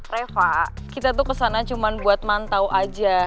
reva kita tuh kesana cuma buat mantau aja